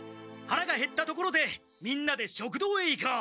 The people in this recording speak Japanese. はらがへったところでみんなで食堂へ行こう！